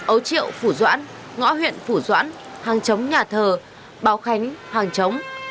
ấu triệu phủ doãn ngõ huyện phủ doãn hàng chống nhà thờ báo khánh hàng chống